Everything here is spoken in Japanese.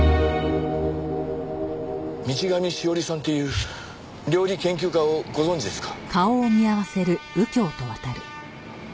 道上しおりさんっていう料理研究家をご存じですか？